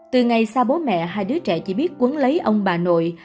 từ ngày xa bố mẹ hai đứa trẻ chỉ biết quấn lấy ông bà nội